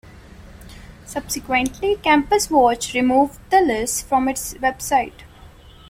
Subsequently, Campus Watch removed the list from its website.